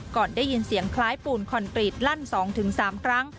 ก่อนได้ยินเสียงคล้ายปูนคอนกรีตลั่น๒๓ครั้ง